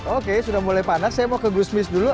oke sudah mulai panas saya mau ke gusmis dulu